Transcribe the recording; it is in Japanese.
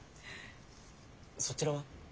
そちらは？